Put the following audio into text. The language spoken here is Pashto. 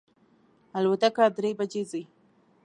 الوتکه درې بجی ځي